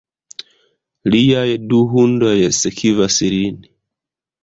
Liaj du hundoj sekvas lin.